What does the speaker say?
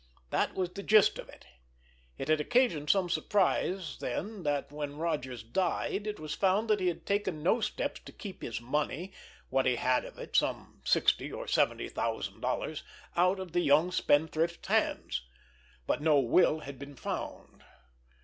That was the gist of it. It had occasioned some surprise then that, when Rodgers had died, it was found that he had taken no steps to keep his money, what he had of it, some sixty or seventy thousand dollars, out of the young spendthrift's hands. But no will had been found.